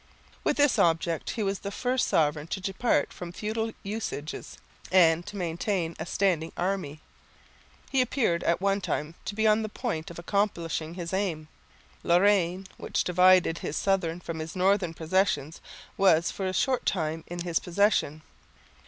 With this object he was the first sovereign to depart from feudal usages and to maintain a standing army. He appeared at one time to be on the point of accomplishing his aim. Lorraine, which divided his southern from his northern possessions, was for a short time in his possession.